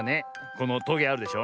このトゲあるでしょ。